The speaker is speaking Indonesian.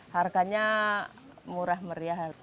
harganya murah meriah